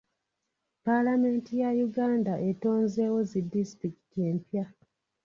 Paalamenti ya Uganda etonzeewo zi disitulikiti empya.